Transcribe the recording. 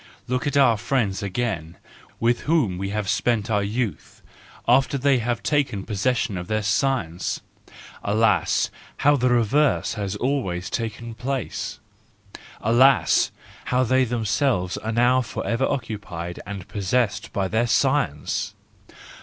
Look at our friends again with whom we have spent our youth, after they have taken possession of their science: alas ! how the reverse has always taken place! Alas! how they them¬ selves are now for ever occupied and possessed by their science!